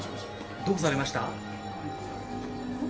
どうされました？